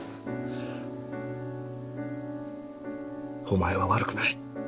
お前は悪くない。